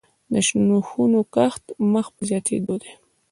د شنو خونو کښت مخ په زیاتیدو دی